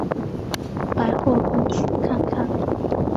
百货公司看看